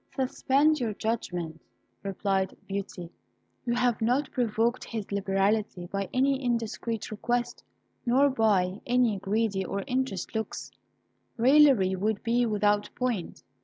"Suspend your judgment," replied Beauty; "you have not provoked his liberality by any indiscreet request nor by any greedy or interested looks. Raillery would be without point.